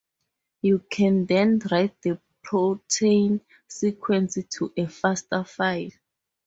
You can then write the protein sequences to a fasta file.